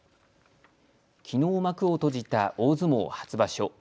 きのう幕を閉じた大相撲初場所。